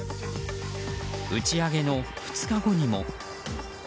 打ち上げの２日後にも。